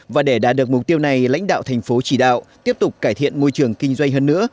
và để đạt được mục tiêu này lãnh đạo thành phố chỉ đạo tiếp tục cải thiện môi trường kinh doanh hơn nữa